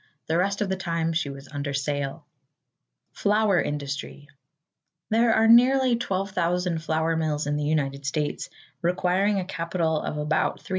The rest of the time she was under sail. =Flour Industry.= There are nearly 12,000 flour mills in the United States, requiring a capital of about $350,000,000.